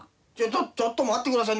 ちょっと待って下さい。